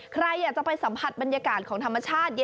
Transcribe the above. ใครอยากจะไปสัมผัสบรรยากาศของธรรมชาติ